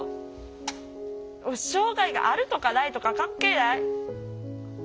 障害があるとかないとか関係ない。